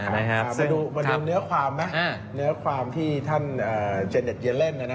มาดูเนื้อความไหมเนื้อความที่ท่านเจเน็ตเย็นเล่น